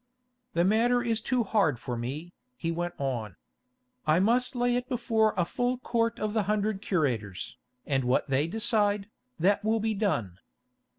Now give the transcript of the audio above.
"The matter is too hard for me," he went on. "I must lay it before a full Court of the hundred curators, and what they decide, that will be done.